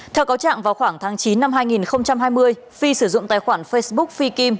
theo cáo trạng vào khoảng tháng chín năm hai nghìn hai mươi phi sử dụng tài khoản facebook phi kim